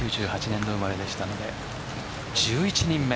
１９９８年生まれでしたので１１人目。